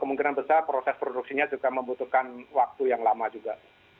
kemungkinan besar proses produksinya juga membutuhkan waktu yang lama juga